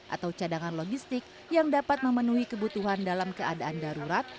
atau cadangan logistik yang dapat memenuhi kebutuhan dalam keadaan darurat